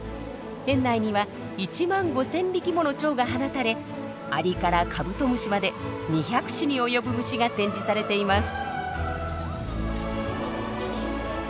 園内には１万５，０００匹ものチョウが放たれアリからカブトムシまで２００種に及ぶ虫が展示されています。